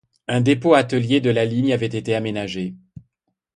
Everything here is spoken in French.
Un dépôt-atelier de la ligne y avait été aménagé.